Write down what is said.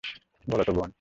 বল তো, বোন।